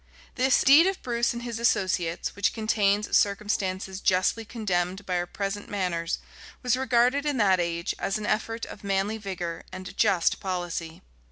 This deed of Bruce and his associates, which contains circumstances justly condemned by our present manners, was regarded in that age as an effort of manly vigor and just policy.